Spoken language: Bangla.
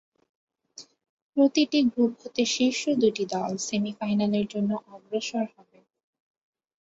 প্রতিটি গ্রুপ হতে শীর্ষ দুটি দল সেমি-ফাইনালের জন্য অগ্রসর হবে।